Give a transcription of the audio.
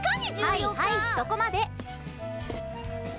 はいはいそこまで！